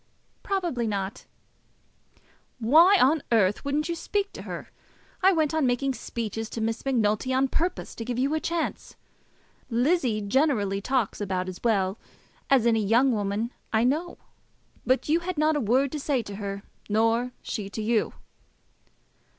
"Probably not." "Why on earth wouldn't you speak to her? I went on making speeches to Miss Macnulty on purpose to give you a chance. Lizzie generally talks about as well as any young woman I know; but you had not a word to say to her, nor she to you."